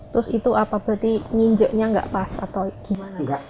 terus itu apa berarti nginjeknya nggak pas atau gimana